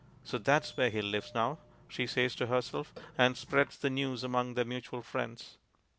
"So that's where he lives now," she says to herself, and spreads the news among their mutual friends.